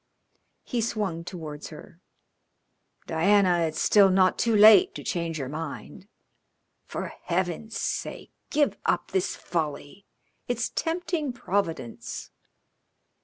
He swung towards her. "Diana, it's still not too late to change your mind. For Heaven's sake give up this folly. It's tempting Providence."